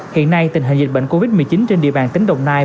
hiện nay tình hình dịch bệnh covid một mươi chín trên địa bàn tỉnh đồng nai